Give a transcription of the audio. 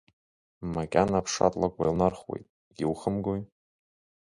Макьана аԥшатлакә уеилнархуеит, иухымгои.